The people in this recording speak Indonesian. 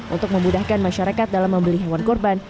untuk memudahkan masyarakat dalam membeli hewan kurban